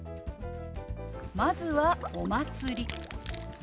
まずは「お祭り」。